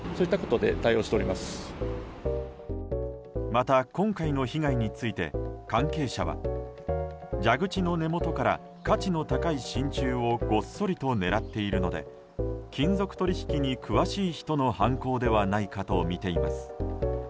また今回の被害について関係者は蛇口の根元から価値の高い真ちゅうをごっそりと狙っているので金属取引に詳しい人の犯行ではないかとみています。